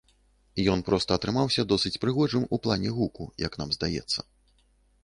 Ён проста атрымаўся досыць прыгожым у плане гуку, як нам здаецца.